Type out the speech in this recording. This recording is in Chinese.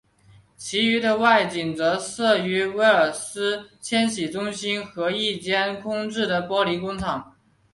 其余的外景则摄于威尔斯千禧中心和一间空置的玻璃工厂。